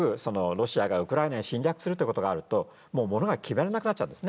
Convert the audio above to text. ロシアがウクライナに侵略するということがあると物が決められなくなっちゃうんですね。